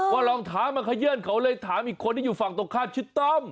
รองเท้ามาขยื่นเขาเลยถามอีกคนที่อยู่ฝั่งตรงข้ามชื่อต้อม